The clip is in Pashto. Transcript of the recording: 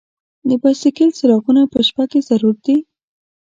د بایسکل څراغونه په شپه کې ضرور دي.